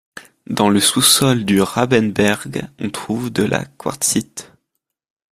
Dans le sous-sol du Rabenberg, on trouve de la quartzite.